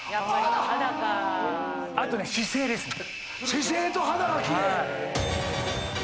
姿勢と肌が奇麗。